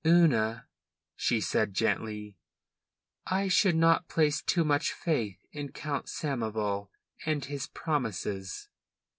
"Una," she said gently, "I should not place too much faith in Count Samoval and his promises."